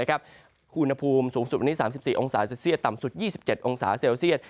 อุณหภูมิสูงสุดวันนี้๓๔องศาเซลเซียตต่ำสุด๒๗องศาเซลเซียต